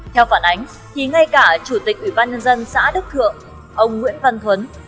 theo phản ánh thì ngay cả chủ tịch ủy ban nhân dân xã đức thượng ông nguyễn văn thuấn